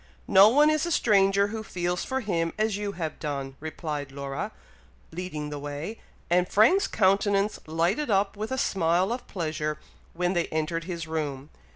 "No one is a stranger who feels for him as you have done," replied Laura, leading the way, and Frank's countenance lighted up with a smile of pleasure when they entered his room.